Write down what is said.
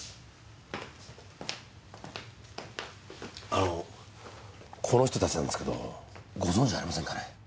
あのこの人たちなんですけどご存じありませんかね？